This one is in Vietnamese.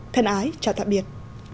thân ái chào tạm biệt